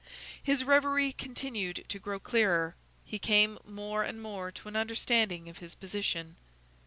His reverie continued to grow clearer. He came more and more to an understanding of his position.